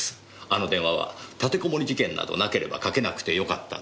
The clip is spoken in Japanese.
あの電話は立てこもり事件などなければかけなくてよかった